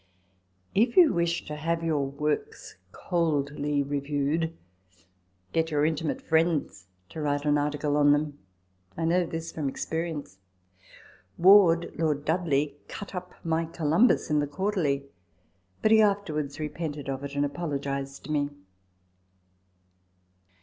If you wish to have your works coldly reviewed, get your intimate friends to write an article on them. I know this by experience. Ward (Lord Dudley) " cut up " my " Columbus " in The Quarterly : but he afterwards repented of it, and apologised to me.